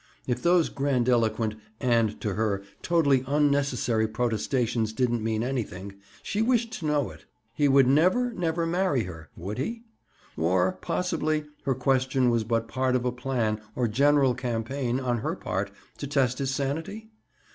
If those grandiloquent, and, to her, totally unnecessary protestations didn't mean anything, she wished to know it. He would never, never marry her,—wouldn't he? Or, possibly, her question was but part of a plan, or general campaign, on her part, to test his sanity?